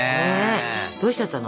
どうしちゃったの？